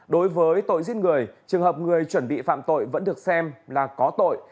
đối với tội giết người trường hợp người chuẩn bị phạm tội vẫn được xem là có tội